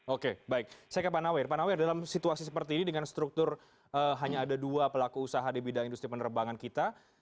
oke baik saya ke pak nawir pak nawir dalam situasi seperti ini dengan struktur hanya ada dua pelaku usaha di bidang industri penerbangan kita